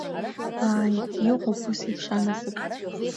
Ааи, иҟоуп ус еиԥш анасыԥ.